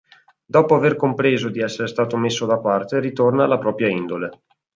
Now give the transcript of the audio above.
Dopo aver compreso di essere stato messo da parte ritorna alla propria indole.